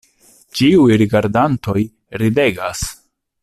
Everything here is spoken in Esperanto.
Ĉiuj rigardantoj ridegas.